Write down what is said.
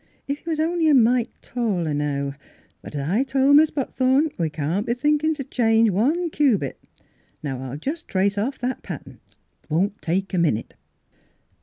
Ef you was only a mite taller now; but as I toP Mis' Buck thorn, we can't b' thinkin' change one cubic. Now I'll jes' trace off that pat tern. 'Twon't take a minute."